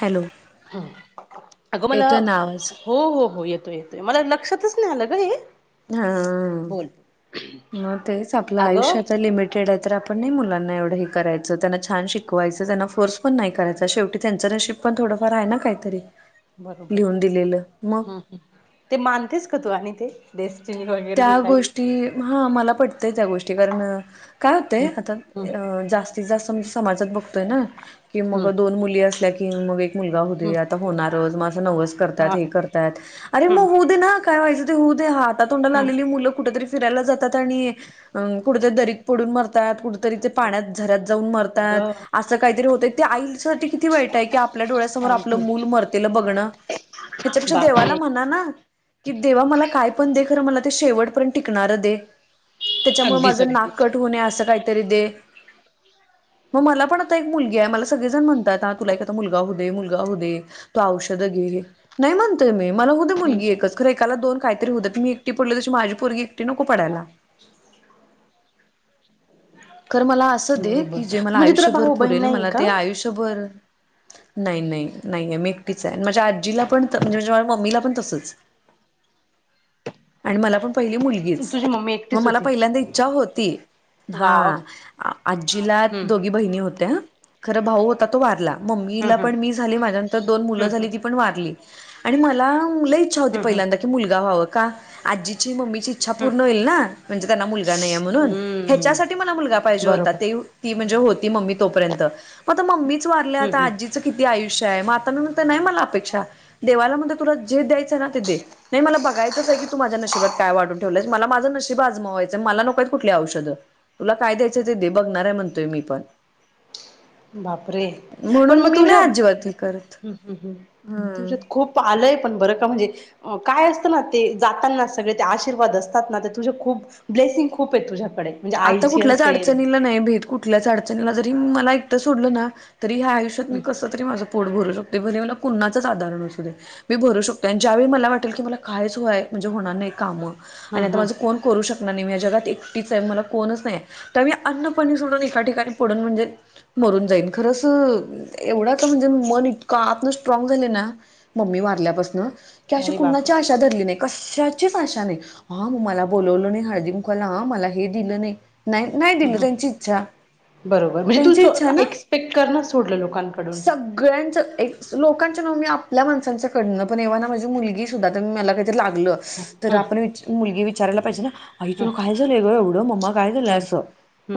Hello. ह अगं मला, येतोय ना आवाज हो हो हो येतोय, येतोय, मला लक्षातच नाही आलं ग हे. हा बोल म तेच, आपल अगं आयुष्याचा लिमिट, ड तर आपण नाही मुलांना एवढं हे करायचं, त्यांना छान शिकवायचं, त्यांना फोर्स पण नाही करायच, शेवटी त्यांच नशीब पण थोडंफार आहे ना, काहीतरी. बरोबर लिहून दिलेलं मग हम् ह ते मानतेस का तू आणि ते देसि निवड त्या गोष्टी हा मला पटतंय त्या गोष्टी कारण काय होते हम्म आता हम्म जास्त ति असं म्हणजे समाजात बघतोय. ना की मग हम्म दोन मुली असल्या कि मग मुलगा हो हम्म आता होणार मगं नवस करत. कर हा अर हम्म मग होऊ दे ना काय व्हायं ते होऊ दे हात तोंडाला हम्म आलेली मुलं कुठरी फिरायला जातात आणि कुठेतरी दरीक पडून मरतात कुठेतरी ते पाण्यात झत जाऊन मरतात. अगं अस काहीतरी होत आईठी किती वाईट आहे की आपल्या डोळ्यासमोर आपलं मूल अगदीच मरतेलं बघणं ह्याच्यापेक्षा देवाला बापरे म्हणा ना कि देवा मला काय पण दे खरं मला ते शेवट पर्यंत टिकणार दे त्याच्यामुळे अगदीच माझं नाक अगदीच कट होणे असं काहीतरी दे मग मला पण आता एक मुलगी आहे मला सगळेजण म्हणतात ह तुला एक आता मुलगा हो दे मुलगा हो दे तो औषध घे नाही म्हणत मी मला होते हम्म, मुलगी एकच खर एकाला दोन काहीतरी हो मी एकटी पडली तशी माझी पोगी एकटी नको पडायला. [unintelligible] खर मला असं दे बरोबर की जे मला म्हणजे तुला आयुष्यभर भाऊ बहीण पुरेल नाही मला का ते आयुष्यभर नाही नाही नाही आहे मी एकटीच आहे माझ्या आजीला पण म्हणजे मम्मीला पण तसंच आणि मला पण पहिली मुलगीच तुझी मम्मी मग एकटीच मला होती पहिल्यांदा इच्छा होती हा वाव आजीला हम्म दोघी बहिणी होत्या खरं भाऊ होता तो वारला हम्म मम्मीला पण मी हम्म झाली माझ्या नंतर दोन मुलं हम्म झाली ती हम्म पण वारली आणि मला मुलं इच्छा होती हम्म पहिल्यांदा की मुलगा व्हावं का आजीची मम्मीचीछा इच्छा हम्म पूर्ण होईल ना म्हणजे त्यांना मुलगा नाही आहे म्हणून हम्म ह्याच्यासाठीठी हम्म मला मुलगा पाहिजे होता बरोबर ते ती म्हणजे होती मम्मी तोपर्यंत मग आ मम्मी वारले हम्म आता हम्म आजी किती आयुष्य आहे म आताणत नाही. मला अपेक्षा देवाला म्हण तुला जे द्यायचं आहे. ना ते दे नाही मला बघायचंच आहे की तू माझ्या नशशीबात काय वाढून ठेवय मला माझं नशीब आजमावायचं मला नकोयत कुठ औषध तुला काय द्यायचं ते दे बघणार आहे म्हणतोय मी पण बापरे पण म्हणून मग मी तुझ्या् नाही अजिबात हे करत ह् तुझ्यात खूप प आलंय पण बरं का म्हणजे काय असतं ना ते जाताना सगळे ते आशीर्वाद असतात. ना ते तुझे खूप ब्लेसिंग खूप आहे तुझ्याकडे म्हणजे आता आईची कुठल्याच असेल अडचणीला नाही भेट कुठ कुठल्याच अडचणीला जरी मला एक सोडलं ना तरी ह आयुष्यात हं, मी कस तरी माझं पोट भरू शकते भर मला कुणाच आधरण असू दे मी भरू शकतेो आणि ज्यावेळी मला वाटेल की मला कायच होय म्हणजे होणार नाही कामं हं, आणि आता हं. माझं कोण करू शकणार नाहीे. या जगात एकटीच आहे मला कोणच नाही त्या मी अन्नपाणी सोडून एका ठिकाणी पडून म्हणजे मरून जाईन खरंच एवढा तर म्हणजे मन इतकं आतन स्ट्रांग झालं ना मम्मी वारलेपासून अशी अरे कुणाची बापरे! कशाचीच आशा धरली नाही हा मग मला हळदी कुंकवाला बोलवलं नाही दिलं नाही नाही नाही हं, दिलं हं. त्यांची इच्छा बरोबर म्हणजे त्यांची तू एक्सपेक्ट कर ना सोडलं लोकांकडून सगळ्यांचं एक लोकांचं नाव मी आपल्या माणसांचं कडनं पण एव्हा ना माझी मुलगी सुद्धा तर मी मला काही लागलं तर हं, आपण मुलगी विचारयला पाहिजे ना आई हं, तुला काय झालंंवढं मम्मा काय दिला हं. असो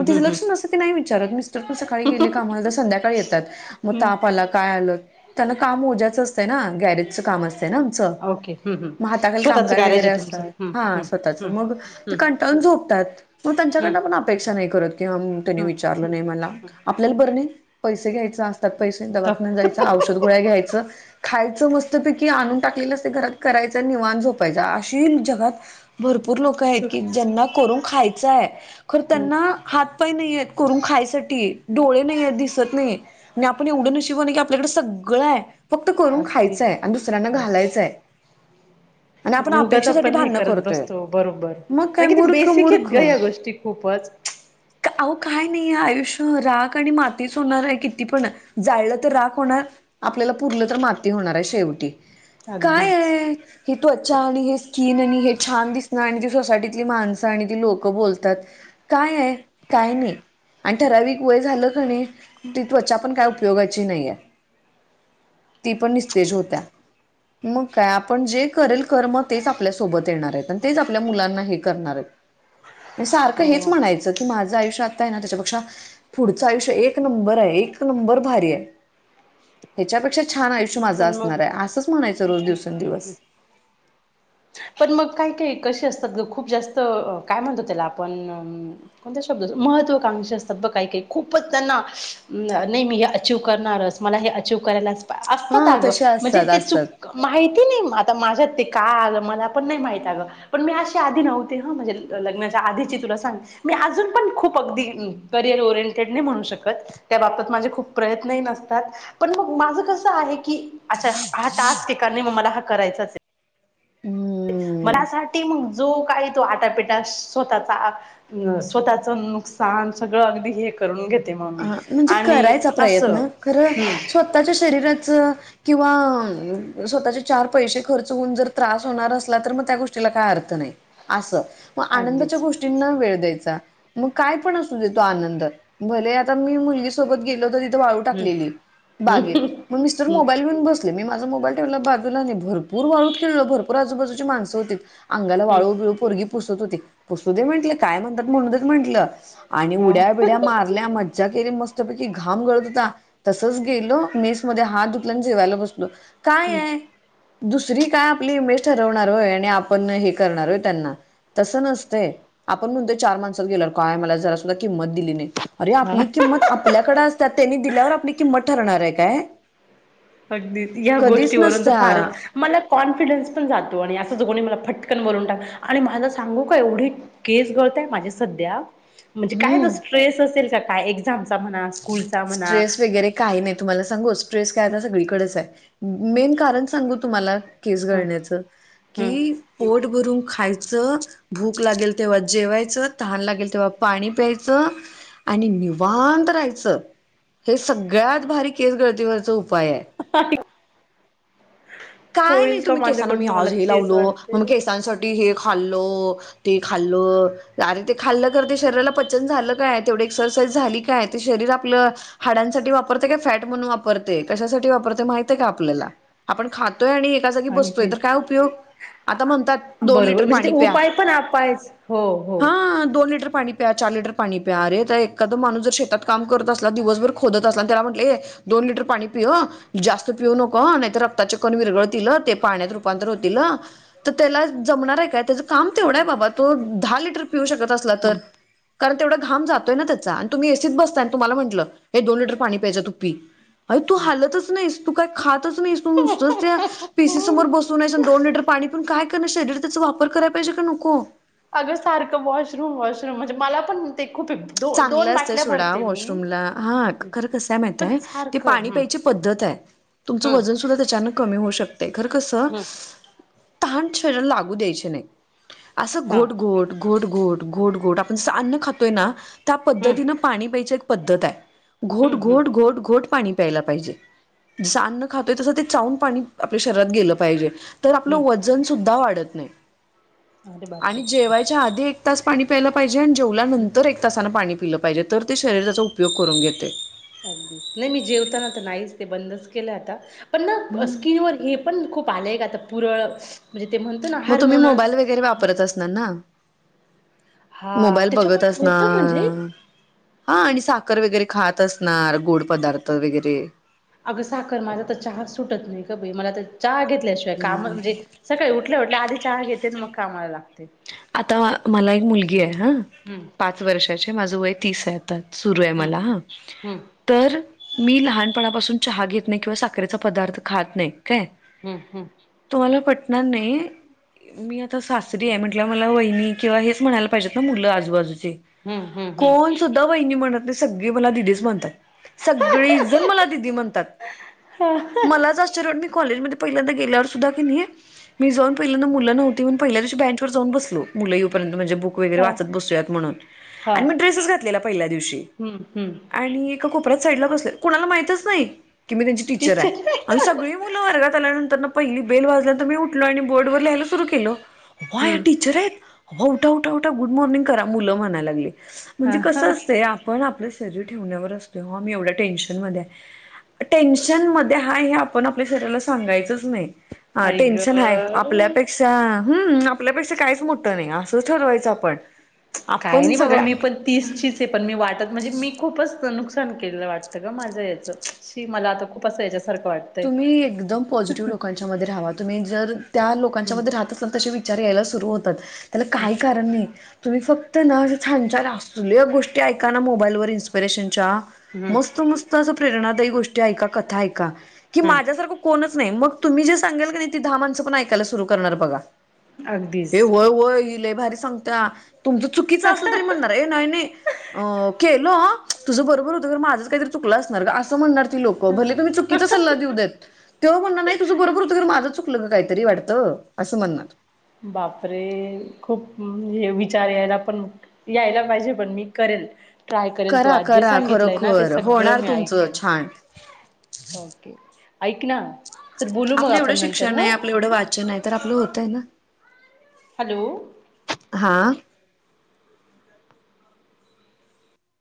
ग तिं हं, हं. लक्षण न नाही विचारत मिस्टर पण सकाळी गे कामाला संध्याकाळी येतात मग त हं. मला काय आलं त्या काम मोज्याचं असतं ना गॅरेजचं काम असतं ना ओके. हं, हं. मग हाताखाली स्वतःच कामगार गॅरेज वगैरे आहे तुमचं. असतात हं, हा हं, स्वतःच हं, मग ते हं, कंटाळून झोपतात. मग हं, त्यांच्याकडन आपण अपेक्षा नाही करत की त्यांनी हं, विचारलं नाही मला हं. आपल्याला बरं नाही पैसे घ्यायचं असतात पैसे दवाखाया तर जायचं औषध गोळ्या घ्यायचं. खायचं मस्तपैकी आणून टाकलेलं अस ते घरात करायचं निवाण झोपायच अशी जगात. भरपूर लोक आहेत सु की हं. ज्यांना करून खायचं आहे खर त्यांना हात पाय नाही आहेत करून खायसाठी डोळे नाही आहेत दिसत नाही. आणि आपण एवढं न नशीबवान आहे की आपल्याकडे सगळं आहे. फक्त करून अगदी खायचंय आणि दुसऱ्यांना अगदी घालायचंय. आपण आणि उगाच अपेक्षेसाठी पण हे भांडणं करत करतोय बसतो बरोबर मग काय आणि किती मूर्ख बेसिक आहेत मूर्ख ग या गोष्टी खूपच अहो काय नाही आयुष्य राग आणि मातीच होणार आहे किती पण जाळलं तर राख होणार आपल्याला पुरलं तर माती होणार आहे शेवटी काय अगदीच आहे. हे त्वचा आणि हे स्कीिन आणि हे छान दिसणं आणि ती सोसायटीतली माणसं आणि ती लोक. बोलतात काय आहे काय नाही. आणि ठराविक वय झालं कणी ती त्वचा पण काय उपयोगाची नाहीय. ती पण निस्तेज होत्या मग काय आपण जे. करेल कर्म तेच आपल्यासोबत येणार आहेत आणि तेच आपल्या मुलांना हे करणार आहेत. सारखं हेच हो म्हणायचं. की माझं आयुष्य आता आहे ना त्याच्यापेक्षा पुढचं आयुष्य एक नंबर आहे एक नंबर भारी आहे. ह्याच्यापेक्षा छान आयुष्य माझं पण मग असणार आहे असंच म्हणायचं रोज दिवसेंदिवस. पण मग काय काय कसे असतात खूप जास्त काय म्हणतो त्याला आपण. कोणत्या शब्दा महत्त्वाकांक्षातब् काही काही खूपच त्यांना नेहमी हे अचिव करणारच मला हे अव करायला हा असतात गं तसे म्हणजे असतात ते च असतात माहिती नाही आता माझ्यात ते का आलं मला पण नाही माहित अ ग. पण मी अशी आधी नव्हते ह म्हणजे लग्नाच्या आधीची तुला सांग. मी अजून पण खूप अगदी करिअर ओरिएंटेड नाही म्हणू शकत. त्या बाबत माझे खूप प्रयत्नही नसतात. पण मग माझं कस आहे की अच्छा हा टास्क ए नाही मग मला हा करायचाच. हम्म मनासाठी मग जो काही तो आटापिटा स्वतःचा अ स्वतःच नुकसान सगळं अगदी हे करून घेत. हा म्हणजे करायचा प्रयत्न खरं हम्म स्वतःच्या शरीराच किंवा स्वतःचे चार पैसे खर्च होऊन जर त्रास होणार असला तर मग त्या गोष्टीला काय अर्थ नाही. असस. मग आनंदाच्या अगदीच गोष्टींना वेळ द्यायचा मग काय पण असू देतो आनंद भले. मुलगी सोबत गेलो तर तिथे वाळू हम्म टाकलेली बागेत मग मिस्टर हम्म मोबाईल घेऊन. मी माझ मोबाईल ठेव बाजूला नाही भरपूर वाढू खेळलं भरपूर आजूबाजूची माणसं हो. अंगाला हम्म वाळू बिळू पोरगी पुसत होती पुसू दे म्हटलं काय म्हणतात म्हणू देत म्हंटलं. आणि हा उड्या बिड्या मारल्या मज्जा केली मस्तपैकी घाम गळतता तसच गेलो मेस मध्ये हात धुखलान जेवायला बसलो काय आहे. दुसरी काय आपली इमेज ठरवणार होय आणि आपण हे करणारोय त्यांना तसं नसते आपण म्हणतो चार माणसात गेलो काय मला जरा सुद्धा किंमत दिली नाही. अरे हा आपली किंमत आपल्याकडे असत त्यांनी दिल्यावर आपली किंमत ठरणार आहे काय. अगदी या कधीच गोष्टीवरून तर नसत्या फारत मला कॉन्फिडन्स पण जातो आणि असं जो कोणी मला फटकन बोलवून टाक आणि माझं सांगू का एवढी केस गळतय माझे सध्या म्हणजे काय हम्म स्ट्रेस असेल का काय एक्झामचा म्ह स्ट्रेस वगैरे काही नाही तुम्हाला सांगू स्ट्रेस काय हम्म आता सगळीकडेच आहे. मेन कारण सांगू तुम्हाला केस हम्म गळण्याचं हम्म की. पोट भरून खायचं. भूक लागेल तेव्हा जेवायचं तान लागेल तेव्हा पाणी प्यायचं आणि निवांत राहायचं हे सगळ्यात भारी केस गळतीवरच उपाय आहे. पाकी. काय नाही का तुम्ही केसांना मी माझ्याकडून मला तर आजही तेच लावलो वाटते. मग केसांसाठी हे खाल्लो. ते खाल्लं. आरे ते खाल्लं करते शरीराला पचन झालं काय तेवढे एक्सरसाइज झाली काय ते शरीर आपलं हाडांसाठी वापरते का फॅट म्हणून वापरते कशासाठी वापरते माहिते का आपल्याला आपण खातो तोय आणि एका जागी बसतोय अगदी तर काय उपयोग आता म्हणतात दोन बरोबर लिटर म्हणजे ते पाणी प्या उपाय पण आपायच हो हो. हा दोन लिटर पाणी प्या चार लिटर पाणी प्या अरे तर एखादा माणूस जर शेतात काम करत असला दिवसभर खोदत असला आणि त्याला म्हटले दोन लिटर पाणी पि जास्त पिऊू नको नाही रक्ता विरगळ ते पाण्यात रूपांतर होतील तर त्याला जमणार आहे का त्याच काम तेवंढ आहे बाबा तो दहा लिटर पिऊ शकत असला तर? हम्म कारण तेवढा घाम जातोय ना त्याचा आणि तुम्ही एसीत बसताय आणि तुम्हाला म्हटलं हे दोन लिटर पाणी प्यायच तू पी अ तू हम्म. हालतच नाहीस तू काय खातच नाहीस तू नुसंत पीसी समोर बसून एस दोन लिटर पाणी पिउन काय करण शरीर त्याचा वापर कराय पाहिजे का नको अगं सारखं वॉशरूम वॉशरूम म्हणजे मला पण ते खूप आहे. दो दोन चांगलं असतय बाटल्या सोडा भरते मी. वॉशरूमला हा हम्म. खरं कसं आहे पण माहितय ते सारखं पाणी हम्म प्यायची पद्धत आहे तुमच्या हम्म वजन सुद्धा त्याच्याने कमी होऊ शकते खरं कसं हम्म ताहाण शरीराला लागू द्यायचे नाही असं हा घोट घोट घोट घोट घोट घोट आपण जसं अन्न खातोय ना त्या हम्म पद्धतीनं पाणी प्यायची एक पद्धत आहे घोट हम्म हम्म घोट घोट घोट पाणी प्यायला पाहिजे जस अन्न खातोय तस ते चाऊून पाणी आपल्या शरीरात गेलं पाहिजे तर आपलं हम्म वजन सुद्धा वाढत नाही अरे बापरे आणि जेवायच्या आधी. एक तास पाणी प्यायला पाहिजे आणि हम्म जेवल्यानंतर एक तासानं पाणी पिलं पाहिजे तर ते शरीरा त्याचा उपयोग करून घेते. अगदी नाही मी जेवताना तर नाहीच ते बंदच केलं आता पण ना स्किन व हे. पण खूप आले का आता पुरळ म्हणजे ते म्हण. मग तुम्ही मोबाईल वगैरे वापरत असणार ना. हा मोबाईल त्याच्यामुळे बघतस ना. होतं म्हणजे हा आणि साखर वगैरे खात असणार गोड पदार्थ वगैरे अगं साखर माझा तर चहा सुटत नाही का ग बाई मला तर चहा घेतल्याशिवाय काम म्हणजे सकाळी उठल्या उठल्या आधी चहा घेते मग कामाला लागते आता मला एक मुलगी आहे हा हम्म पाच वर्षाचे माझं वय तीस आहे सुरू आहे हम्म मला हा हम्म तर मी लहानपणापासून चहा घेत नाही किंवा साखरेचा पदार्थ खात नाही काय हम्म हम्म. तुम्हाला पटणार नाही मी आता सासरी आहे म्हण मला वहिनी किंवा हे म्हणायला पाहिजेत ना मुल आजूबाजूची हम्म हम्म हम्म हम्म सुधा वहिनी म्हणतं सगळे मला दिदीच म्हणतात सगळे जण मला दीदी म्हणतात हा मलाच आश्चर्य वाटतं मी कॉलेजमध्ये [unintelligible] जाऊन बसलो मुलं येऊ पर्यंत म्हणजे बु वैगरे हा वाचत बसूयात म्हणून हा आणि मग ड्रेसेस घातलेला पहिल्या दिवशी हम्म हम्म आणि एका कोपऱ्यात साईडला बसलेलो कोणाला माहितच नाही की मी त्यांची टीचर आहे आणि सगळी मुलं वर्गात आल्यानंतर ना पहिली बेल वाजल्यानंत मी उठलो आणि बोर्डवर लीहायला सुरु केलो अवा हे या हम्म टीचर आहेत उठा उठा उठा गुड मॉर्निंग करा मुलं म्हणाय लागले हा म्हणजे हा कसं असते आपण आपलं शरीर ठेवण्यावर असतो आम्ही एवढ्या टेन्शन मध्ये आहे. टेन्शन मध्ये हाय हे आपण आपल्या शरीराला सांगायचंच नाही. हा आई टेन्शन हाय गं आपल्यापेक्षा हम्म आपल्यापेक्षा काहीच मोठं नाही असंच ठरवायचं आपण काय आपण नाही बाबा सगळ्या मी पण तीसचीच आहे पण मी वाटतं म्हणजे मी खूपच नुकसान केलेलं वाटतं ग माझं याचं शी मला आता खूप असा याच्यासारखं वाटतं तुम्ही एकदम पॉझिटिव्ह लोकांच्या मध्ये राहावा तुम्ही जर त्या हम्म लोकांच्यामध्ये राहतच ना त विचार यायला सुरू होतात त्याला हम्म काही कारण नाही तुम्ही फक्त ना छान छान असले गोष्टी ऐका ना मोबाईल व इन्स्पिरेशनच्या हम्म मस्त मस्त असं प्रेरणादायी गोष्टी ऐका कथा ऐका की हम्म माझ्यासारखं कोणच नाही मग तुम्ही जे सांगेल का नाही ती दहा माणसं पण ऐकायला सुरू करणार बघा. अगदीच. हे व्हय व्हय ही लय भारी सांगत्यातुमच चुकीचं असल तरी म्हण अ नाही नाही केलं तुझं बरोबर होतं माझंच काहीतरी चुकलं असणार असं म्हणनार.. लोक भले हा. तुम्ही चुकीचा सल्ला देऊ देत तेव्हा म्हणणार नाही तुझं बरोबर हो माझं चुकलं काय तरी वाटतं असं म्हणणार. बापरे खूप हे विचार यायला पण. यायला पाहिजे पण मी करेल. ट्राय करेल तू करा आज जे करा सांगितलंय ना ते खरोखर सगळं होणार मी तुमचं ऐकल छान हो. ऐक ना. चल बोलू मग आपलं एवढं आपण नंतर शिक्षण हा आहे आपलं एवढं वाचन आहे तर आपलं होत आहे ना. हॅलो. हा.